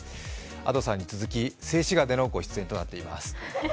Ａｄｏさんに続き、静止画でのご出演となっています。